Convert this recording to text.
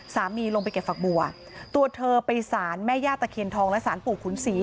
ลงไปเก็บฝักบัวตัวเธอไปสารแม่ย่าตะเคียนทองและสารปู่ขุนศรี